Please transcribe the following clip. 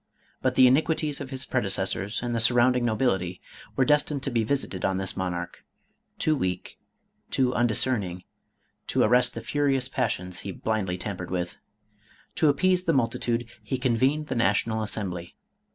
But the iniquities of his predecessors and the surrounding nobility were destined to be visited on this monarch, too weak, too undiscerning, to arrest the furious pas sions he blindly tampered with. To appease the multi tude he convened the National Assembly.